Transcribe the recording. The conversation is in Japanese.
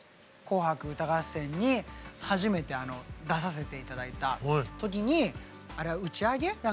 「紅白歌合戦」に初めて出させて頂いた時にあれは打ち上げ？